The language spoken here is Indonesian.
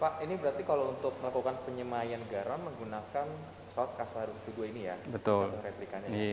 pak ini berarti kalau untuk melakukan penyemayan garam menggunakan pesawat kasa dua ini ya replikannya